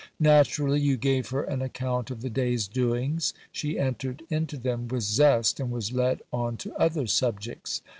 Naturally you gave her an account of the day's doings; she entered into them with zest and was led on to other subjects.